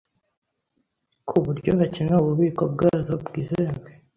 ku buryo hakenewe ububiko bwazo bwizewe